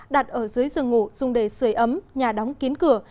đặt ở dưới giường ngủ dùng để sửa ấm nhà đóng kín cửa